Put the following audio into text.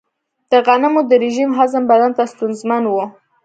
د غنمو د رژیم هضم بدن ته ستونزمن و.